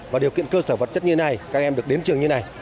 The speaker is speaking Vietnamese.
và điều kiện cơ sở vật chất như thế này các em được đến trường như này